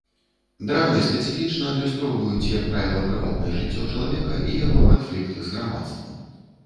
Драмы спецыфічна адлюстроўваюць, як правіла, прыватнае жыццё чалавека і яго канфлікт з грамадствам.